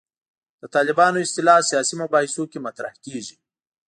د طالبانو اصطلاح سیاسي مباحثو کې مطرح کېږي.